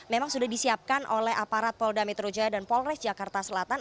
memang sudah disiapkan oleh aparat polda metro jaya dan polres jakarta selatan